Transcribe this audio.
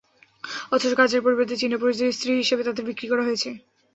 অথচ কাজের পরিবর্তে চীনা পুরুষদের স্ত্রী হিসেবে তাঁদের বিক্রি করা হয়েছে।